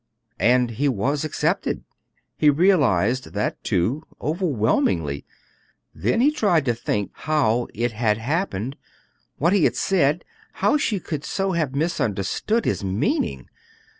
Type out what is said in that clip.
And he was accepted; he realized that, too, overwhelmingly. Then he tried to think how it had happened, what he had said; how she could so have misunderstood his meaning.